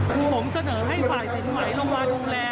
ผมเจอให้ฝ่ายศิลป์ใหม่ลงมาดูแล